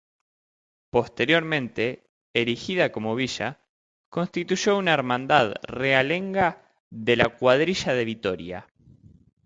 Posteriormente erigida como villa, constituyó una Hermandad realenga de la cuadrilla de Vitoria.